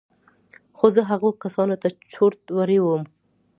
خو زه هغو کسانو ته چورت وړى وم.